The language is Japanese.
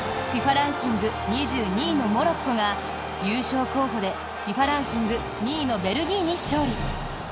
ランキング２２位のモロッコが優勝候補でＦＩＦＡランキング２位のベルギーに勝利。